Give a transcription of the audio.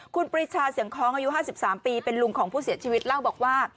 คุณปริชาเสียงคล้องอายุ๕๓ปีเป็นลุงของผู้เสียชีวิตเล่าบอกว่า